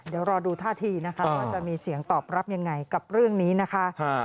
เดี๋ยวรอดูท่าทีนะคะว่าจะมีเสียงตอบรับยังไงกับเรื่องนี้นะคะ